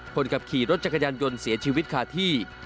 คนขับขี่รถจักรยานยนต์เสียชีวิตคาที่